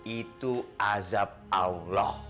itu azab allah